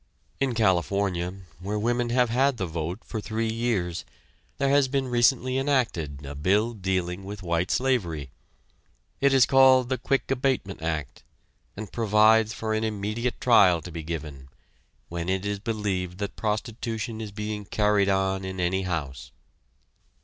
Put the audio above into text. In California, where women have had the vote for three years, there has been recently enacted a bill dealing with white slavery. It is called the Quick Abatement Act, and provides for an immediate trial to be given, when it is believed that prostitution is being carried on in any house.